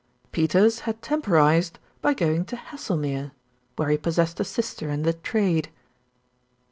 Peters had temporised by going to Haslemere, where he possessed a sister in the Trade.